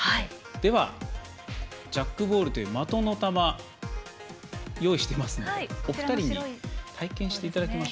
では、ジャックボールという的の球を用意していますのでお二人に体験していただきます。